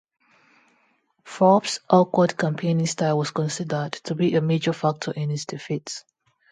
Forbes' awkward campaigning style was considered to be a major factor in his defeat.